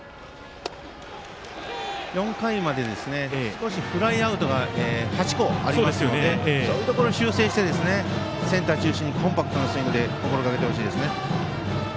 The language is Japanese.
４回までフライアウトが８個ありましたのでそういうところを修正してセンター中心にコンパクトなスイングを心がけてほしいですね。